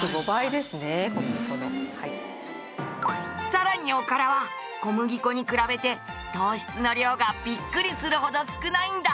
さらにおからは小麦粉に比べて糖質の量がビックリするほど少ないんだ！